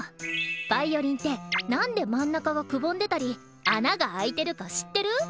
ヴァイオリンってなんで真ん中がくぼんでたり穴が開いてるか知ってる？